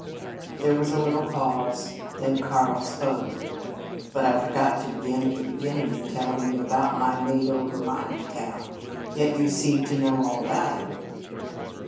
There was a little pause. Then Karl spoke. "But I forgot to begin at the beginning in telling you about my made over mining town. Yet you seemed to know about it."